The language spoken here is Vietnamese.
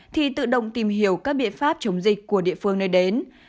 thì tự động tìm hiểu các biện pháp chống dịch của địa phương nơi đến